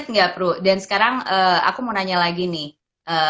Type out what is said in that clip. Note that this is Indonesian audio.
dan inget gak fru dan sekarang aku mau nanya lagi nih ya